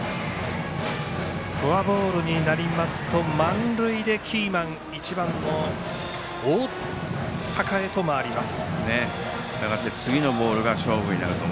フォアボールになりますと満塁で、キーマンの１番の大高へと回ります。